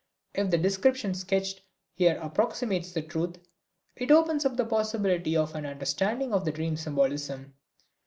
If the description sketched here approximates the truth, it opens up the possibility for an understanding of the dream symbolism.